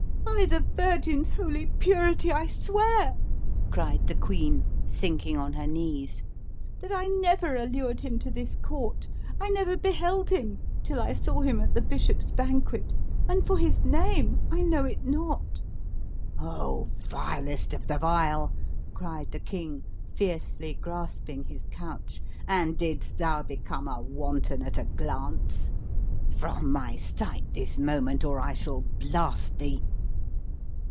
"By the Virgin's holy purity, I swear!" cried the queen, sinking on her knees, "that I never allured him to this court; I never beheld him till I saw him at the bishop's banquet; and for his name, I know it not." "Oh, vilest of the vile!" cried the king, fiercely grasping his couch; "and didst thou become a wanton at a glance? From my sight this moment, or I shall blast thee!"